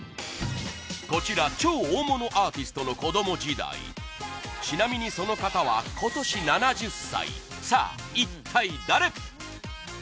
こちら、超大物アーティストの子供時代ちなみに、その方は今年７０歳さあ、一体誰？